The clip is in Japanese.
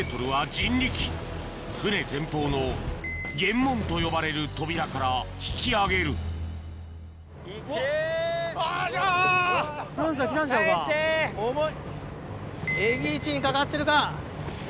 ・船前方の舷門と呼ばれる扉から引き上げる重い。